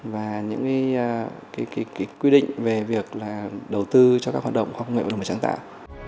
và những cái quy định về việc là đầu tư cho các hoạt động khoa học công nghệ và đồng hành trang tạo